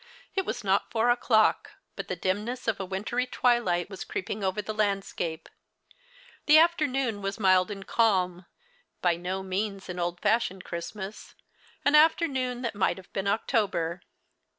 It was not four o'clock, but the dimness of a wintry tAvilight was creeping over the landscape. The afternoon was mild and calm, by no means an old fashioned Christmas, an afternoon that The Christma.s Hirelings. 89 might have been October.